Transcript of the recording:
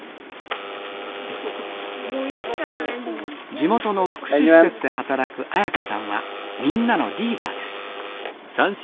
地元の福祉施設で働く朱伽さんはみんなのリーダーです。